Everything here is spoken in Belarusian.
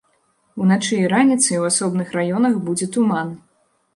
Уначы і раніцай у асобных раёнах будзе туман.